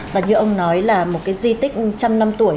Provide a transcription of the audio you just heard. và như ông nói là một cái di tích trăm năm tuổi